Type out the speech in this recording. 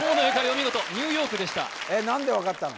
お見事ニューヨークでしたえっ何で分かったの？